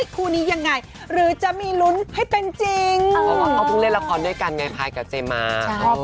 ครอบมากเลยดีละค่ะ